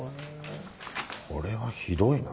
これはひどいな。